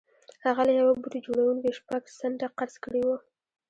هغه له یوه بوټ جوړوونکي شپږ سنټه قرض کړي وو